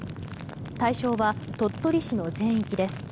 対象は鳥取市の全域です。